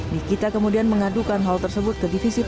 nikita kemudian mengadukan hal tersebut ke divisi